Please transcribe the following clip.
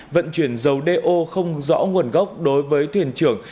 vận chuyển dầu do không rõ nguồn gốc đối với thuyền trưởng